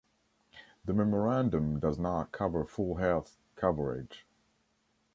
The memorandum does not cover full health coverage.